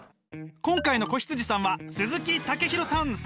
今回の子羊さんは鈴木健大さん